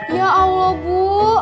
ya allah bu